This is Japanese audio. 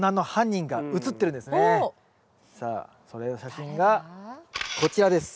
さあそれの写真がこちらです。